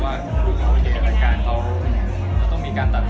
รายการเราต้องมีการตัดต่อ